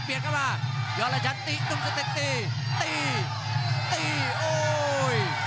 ตีนุ่มสติกตีตีตีโอ้ย